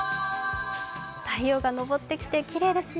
太陽が昇ってきてきれいですね。